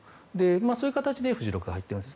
そういう形でＦ１６が入っています。